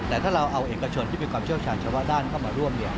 แต่ถ้าเราเอาเอกชนที่มีความเชี่ยวชาญเฉพาะด้านเข้ามาร่วม